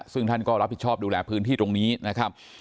ซึ่งท่านก็รับผิดชอบดูแลพื้นที่ตรงนี้นะครับ